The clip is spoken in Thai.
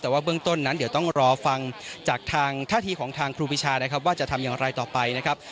แต่ว่าเบื้องต้นนั้นเดี๋ยวต้องรอฟังจากทางท่าทีของทางครูปีชานะครับว่าจะทำอย่างไรต่อไปนะครับ